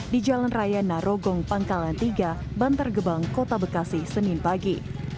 di jalan raya narogong pangkalan tiga bantar gebang kota bekasi senin pagi